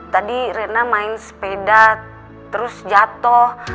tadi rena main sepeda terus jatuh